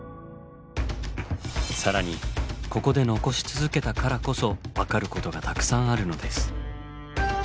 更にここで残し続けたからこそ分かることがたくさんあるのです。